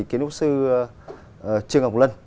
kiến trúc sư trương ngọc lân